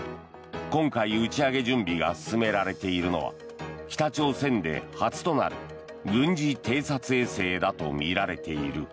今回、打ち上げ準備が進められているのは北朝鮮で初となる軍事偵察衛星だとみられている。